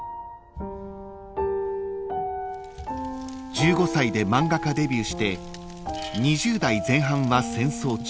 ［１５歳で漫画家デビューして２０代前半は戦争中］